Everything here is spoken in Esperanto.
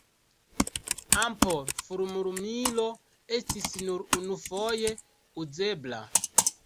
Ampol-fulmlumilo estis nur unufoje uzebla.